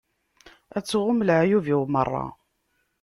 Ad tɣum leεyub-iw meṛṛa.